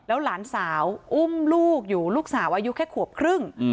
หลานสาวอุ้มลูกอยู่ลูกสาวอายุแค่ขวบครึ่ง